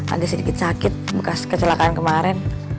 agak sedikit sakit bekas kecelakaan kemarin